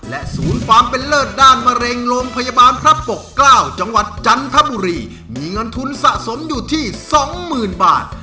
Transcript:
ศูนย์ความเป็นเลิศด้านมะเร็งโรงพยาบาลพระปกเกล้าจังหวัดจันทบุรีมีเงินทุนสะสมอยู่ที่สองหมื่นบาท